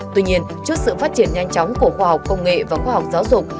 tuy nhiên trước sự phát triển nhanh chóng của khoa học công nghệ và khoa học giáo dục